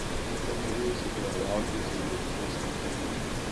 Za první světové války sloužil v polských legiích.